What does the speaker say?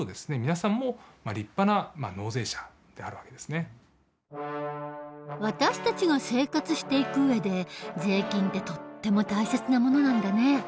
中高生の皆さんは私たちが生活していく上で税金ってとっても大切なものなんだね。